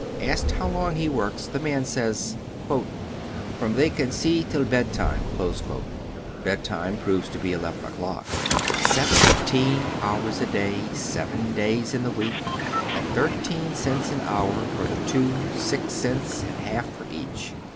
Asked how long he works, the man says :" from they can see till bed time." Bed time proves to be eleven o'clock. Seventeen hours a day, seven days in the week, at thirteen cents an hour for the two, six cents and a half for each